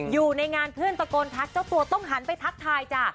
อยู่ในงานเพื่อนตะโกนทักเจ้าตัวต้องหันไปทักทายจ้ะ